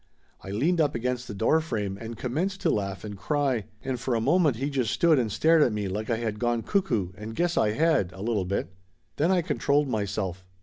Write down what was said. I leaned up against the door frame and commenced to laugh and cry, and for a moment he just stood and stared at me like I had gone cuckoo and guess I had, a little bit. Then I controlled myself.